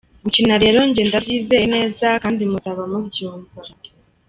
Gukina rero njye ndabyizeye neza kandi muzaba mubyumva.